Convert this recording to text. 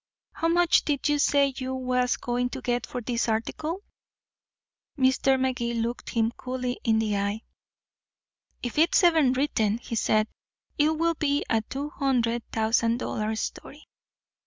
How much did you say you was going to get for this article?" Mr. Magee looked him coolly in the eye. "If it's ever written," he said, "it will be a two hundred thousand dollar story."